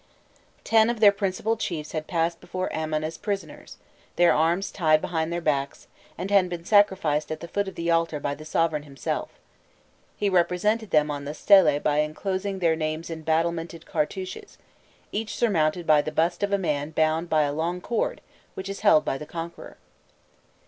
Ten of their principal chiefs had passed before Amon as prisoners, their arms tied behind their backs, and had been sacrificed at the foot of the altar by the sovereign himself: he represented them on the stele by enclosing their names in battlemented cartouches, each surmounted by the bust of a man bound by a long cord which is held by the conqueror.